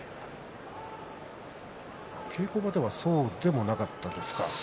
稽古場ではそうでもなかったですか？